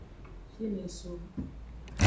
Fine eso.